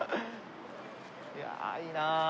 いやいいなあ。